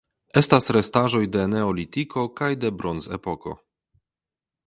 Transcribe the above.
Estas restaĵoj de Neolitiko kaj de Bronzepoko.